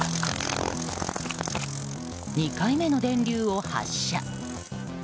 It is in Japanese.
２回目の電流を発射。